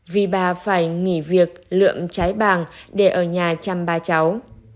vì bà phải nghỉ việc lượm trái bàng để ở nhà chăm ba cháu